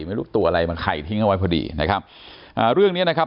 ไม่รู้ตัวอะไรมาไข่ทิ้งเอาไว้พอดีนะครับอ่าเรื่องเนี้ยนะครับ